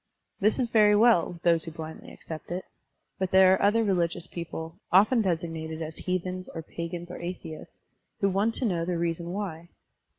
This is very well with those who blindly accept it. But there are other religious people, often designated as heathens or pagans or atheists, who want to know the reason why.